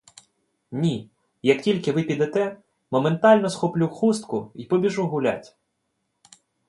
Ні, як тільки ви підете, моментально схоплю хустку й побіжу гулять.